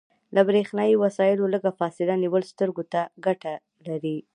له بریښنایي وسایلو لږه فاصله نیول سترګو ته ګټه لري.